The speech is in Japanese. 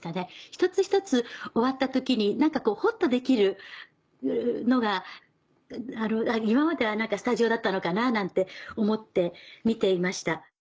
一つ一つ終わった時に何かホッとできるのが今まではスタジオだったのかななんて思って見ていました。